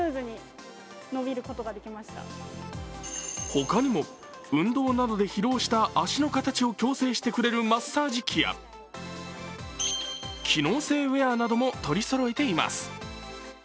ほかにも運動などで疲労した足の形を矯正してくれるマッサージ器や機能性ウェアなども取りそろえています。